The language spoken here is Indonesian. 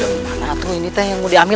harusnya aku untuk menggunakan ini